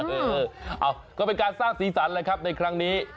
เออเอาก็เป็นการสร้างสีสันแหละครับในครั้งนี้